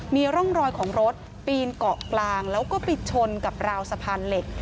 มีร่องรอยของรถปีนเกาะกลางแล้วก็ไปชนกับราวสะพานเหล็ก